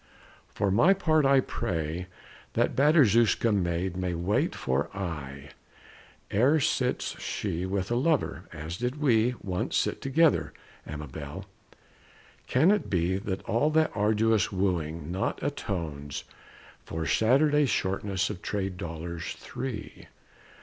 For my part, I pray: That Badarjewska maid may wait for aye Ere sits she with a lover, as did we Once sit together, Amabel! Can it be That all that arduous wooing not atones For Saturday shortness of trade dollars three?